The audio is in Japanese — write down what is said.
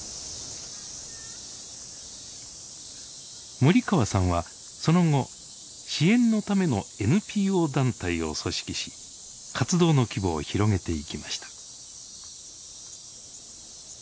森川さんはその後支援のためのＮＰＯ団体を組織し活動の規模を広げていきました。